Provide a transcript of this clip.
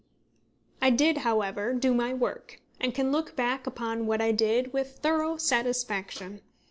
I did, however, do my work, and can look back upon what I did with thorough satisfaction.